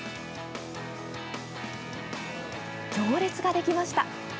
行列ができました。